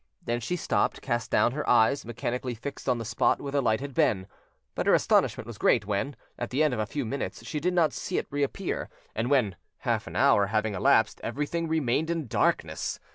Then she stopped, cast down, her eyes mechanically fixed on the spot where the light had been. But her astonishment was great when, at the end of a few minutes, she did not see it reappear, and when, half an hour having elapsed, everything remained in darkness.